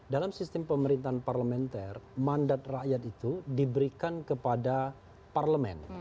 dalam sistem pemerintahan parlementer mandat rakyat itu diberikan kepada parlemen